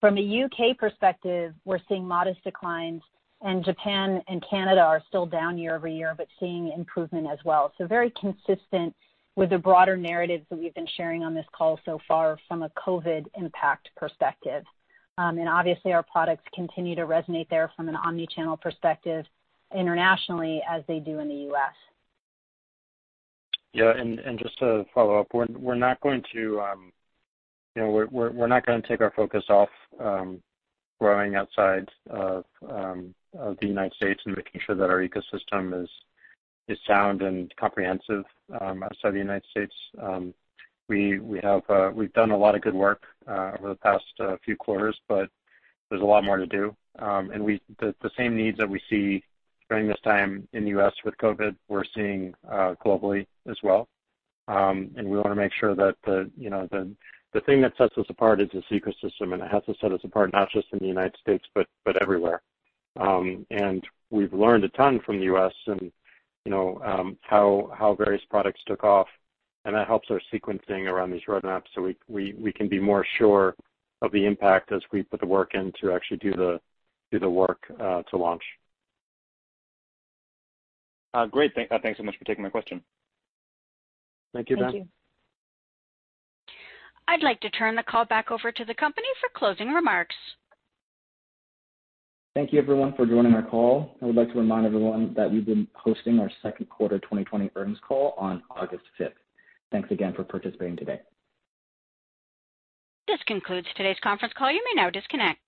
From a U.K. perspective, we're seeing modest declines, and Japan and Canada are still down year-over-year, but seeing improvement as well. Very consistent with the broader narrative that we've been sharing on this call so far from a COVID impact perspective. Obviously our products continue to resonate there from an omni-channel perspective internationally as they do in the U.S. Yeah, just to follow up, we're not going to take our focus off growing outside of the U.S. and making sure that our ecosystem is sound and comprehensive outside of the U.S. We've done a lot of good work over the past few quarters, but there's a lot more to do. The same needs that we see during this time in the U.S. with COVID, we're seeing globally as well. We want to make sure that the thing that sets us apart is this ecosystem, and it has to set us apart not just in the United States, but everywhere. We've learned a ton from the U.S. and how various products took off, and that helps our sequencing around these roadmaps so we can be more sure of the impact as we put the work in to actually do the work to launch. Great. Thanks so much for taking my question. Thank you, Ben. Thank you. I'd like to turn the call back over to the company for closing remarks. Thank you everyone for joining our call. I would like to remind everyone that we've been hosting our second quarter 2020 earnings call on August 5th. Thanks again for participating today. This concludes today's conference call. You may now disconnect.